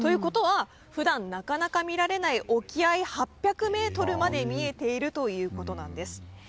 普段なかなか見られない沖合８００ｍまで見えているということなんです。